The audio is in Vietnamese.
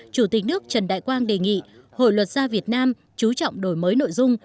chủ tịch nước trần đại quang đề nghị hội luật gia việt nam chú trọng đổi mới nội dung